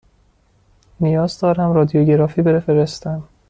نیاز دارم رادیوگرافی بفرستم.